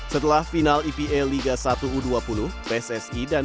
setelah final epa liga satu u dua puluh pssi dan pt liga indonesia baru juga membutuhkan pelatihan